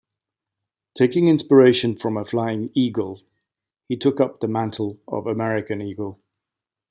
Taking inspiration from a flying eagle, he took up the mantle of American Eagle.